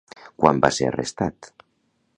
Quan va ser arrestat?